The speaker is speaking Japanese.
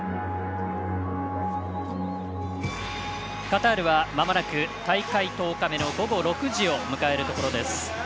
カタールはまもなく大会１０日目の午後６時を迎えるところです。